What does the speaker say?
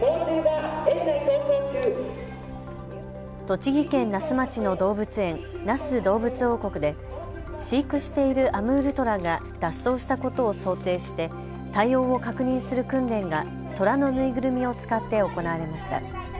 栃木県那須町の動物園、那須どうぶつ王国で飼育しているアムールトラが脱走したことを想定して対応を確認する訓練がトラの縫いぐるみを使って行われました。